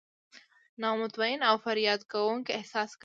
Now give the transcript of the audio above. نا مطمئن او فریاد کوونکي احساس کوي.